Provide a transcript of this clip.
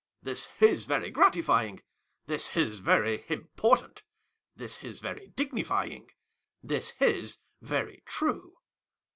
This is very gratifying, this is very important, this is very dignifying, this is very true.